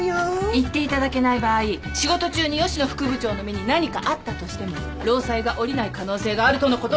行っていただけない場合仕事中に吉野副部長の身に何かあったとしても労災が下りない可能性があるとのことです。